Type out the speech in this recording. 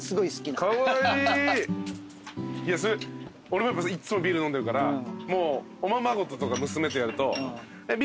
俺もいつもビール飲んでるからおままごととか娘とやると。